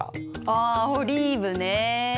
あオリーブね。